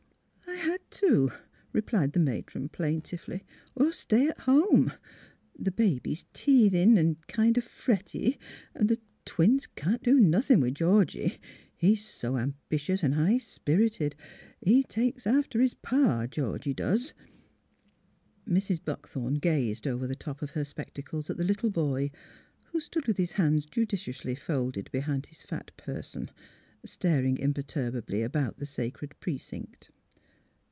''*' I had to," replied the matron, plaintively, " or stay at home. The baby's teething an' kind o' fretty, an' the twins can't do nothing with Georgie. He's so ambitious an' high spirited. He takes right after his pa, Georgie does," Mrs. Buckthorn gazed over the top of her spectacles at the little boy, who stood with his hands judicially folded behind his fat person, staring imperturbably about the sacred precinct.